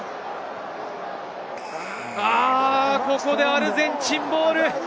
ここでアルゼンチンボール。